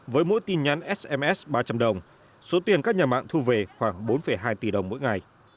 với mỗi tin nhắn sms ba trăm linh đồng số tiền các nhà mạng thu về khoảng bốn hai tỷ đồng mỗi ngày